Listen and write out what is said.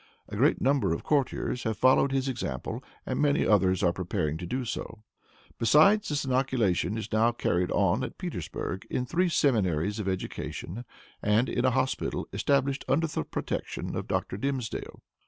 A great number of courtiers have followed his example, and many others are preparing to do so. Besides this, inoculation is now carried on at Petersburg in three seminaries of education, and in an hospital established under the protection of Dr. Dimsdale."